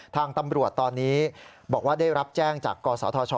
ทางตำรวจตอนนี้บอกว่าได้รับแจ้งจากกศธช